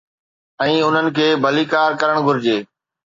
۽ انهن کي ڀليڪار ڪرڻ گهرجي.